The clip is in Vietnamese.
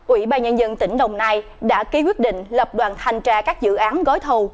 ủy ban nhân dân tỉnh đồng nai đã ký quyết định lập đoàn thanh tra các dự án gói thầu